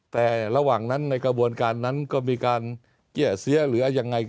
แต่ระหว่างนั้นในกระบวนการนั้นก็มีการเกี้ยเสียหรือยังไง